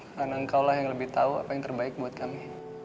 karena engkau lah yang lebih tahu apa yang terbaik buat kami